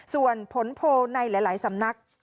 ส่วนผลโพลในหลายสำนัก